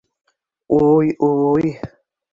Уй, уй!